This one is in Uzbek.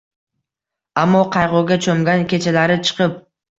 Ammo qayg'uga cho'mgan kechalari chiqib